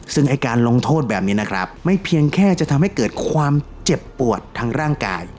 ซึ่งไอ้การลงโทษแบบนี้นะครับไม่เพียงแค่จะทำให้เกิดความเจ็บปวดทางร่างกาย